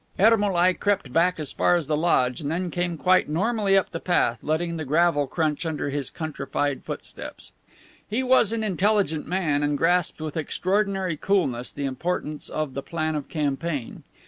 Ermolai crept back as far as the lodge, and then came quite normally up the path, letting the gravel crunch under his countrified footsteps. He was an intelligent man, and grasped with extraordinary coolness the importance of the plan of campaign.